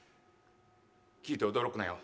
聞いて驚くなよ。